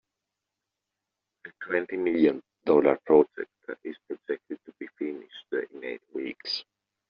The twenty million dollar project is projected to be finished in eight weeks.